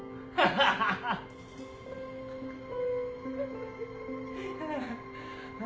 ハハハハァ。